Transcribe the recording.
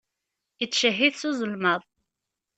Ittcehhid s uzelmaḍ.